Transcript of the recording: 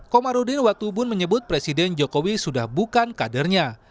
komarudin watubun menyebut presiden jokowi sudah bukan kadernya